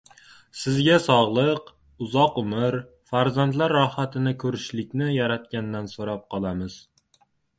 Sizga sogʻlik, uzoq umr, farzandlar rohatini koʻrishlikni yaratgandan soʻrab qolamiz.